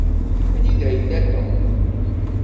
Anida yella Tom